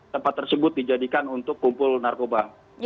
tempat tersebut dijadikan untuk kumpul narkoba